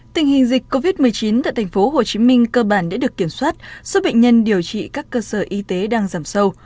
tình hình dịch covid một mươi chín tại tp hcm cơ bản đã được kiểm soát số bệnh nhân điều trị các cơ sở y tế đang giảm sâu